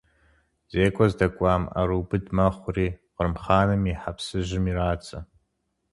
ЗекӀуэ здэкӀуам, Ӏэрыубыд мэхъури, Кърым хъаным и хьэпсыжьым ирадзэ.